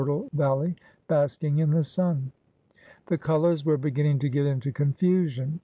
tile valley basking in the sun. The colours were beginning to get into confusion.